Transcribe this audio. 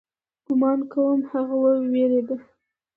ګومان کوم هغه وېرېده.